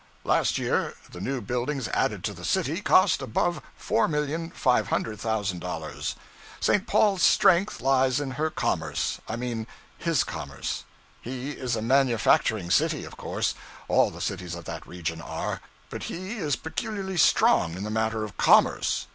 Last year the new buildings added to the city cost above $4,500,000. St. Paul's strength lies in her commerce I mean his commerce. He is a manufacturing city, of course all the cities of that region are but he is peculiarly strong in the matter of commerce.